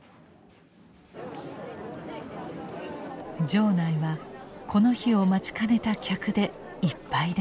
場内はこの日を待ちかねた客でいっぱいです。